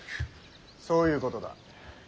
そういうことだ。